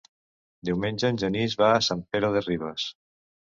Diumenge en Genís va a Sant Pere de Ribes.